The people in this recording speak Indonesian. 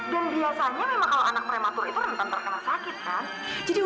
dan biasanya memang kalau anak prematur itu rentan terkena sakit kan